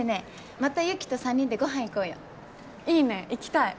また雪と三人でご飯行こうよ！いいね行きたい！